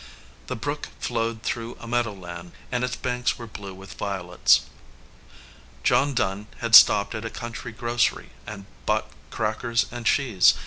The brook flowed through a meadowland, and its banks were blue with violets. John Dunn had stopped at a country grocery and bought crackers and cheese.